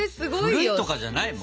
古いとかじゃないもん。